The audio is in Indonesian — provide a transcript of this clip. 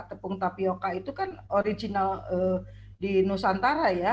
tepung tapioca itu kan original di nusantara ya